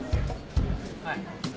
はい。